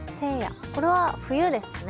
これは冬ですかね。